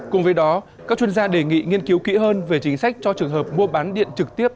cùng với đó các chuyên gia đề nghị nghiên cứu kỹ hơn về chính sách cho trường hợp mua bán điện trực tiếp